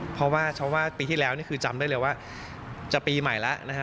เพราะว่าปีที่แล้วจำได้เลยว่าจะปีใหม่แล้ว